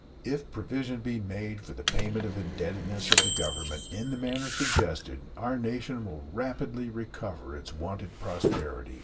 If provision be made for the payment of the indebtedness of the Government in the manner suggested, our nation will rapidly recover its wonted prosperity.